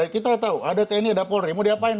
kita tahu ada tni ada polri mau diapain